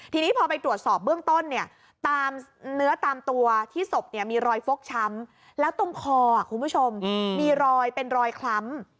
ทีนี้พอไปตรวจสอบเบื้องต้นเนื้อตามตัวที่ศพมีรอยฟกช้ำและตรงคอมีรอยเป็นรอยคล้ำ